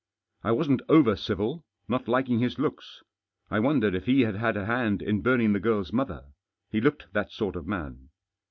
I wasn't over civil, not liking his looks. I wondered if he had had a hand in burning the girl's mother. He looked that sort of man.